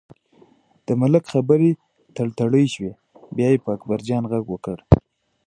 د ملک خبرې تړتړۍ شوې، بیا یې په اکبرجان غږ وکړ.